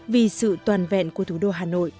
vì sự toàn vẹn của thủ đô hà nội